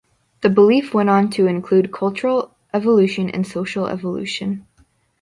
The belief went on to include cultural evolution and social evolution.